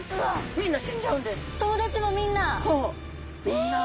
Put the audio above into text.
みんな。